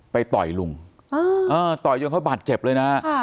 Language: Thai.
ต่อยลุงต่อยจนเขาบาดเจ็บเลยนะฮะ